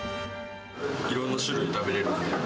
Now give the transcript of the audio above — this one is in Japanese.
いろんな種類が食べれるんで。